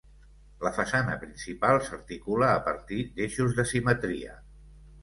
La façana principal s'articula a partir d'eixos de simetria.